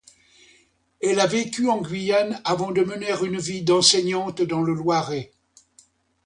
Elle a vécu en Guyane avant de mener une vie d'enseignante dans le Loiret.